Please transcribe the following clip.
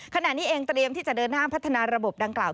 ขณะนี้เองเตรียมที่จะเดินห้ามพัฒนาระบบดังกล่าว